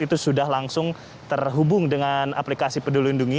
itu sudah langsung terhubung dengan aplikasi peduli lindungi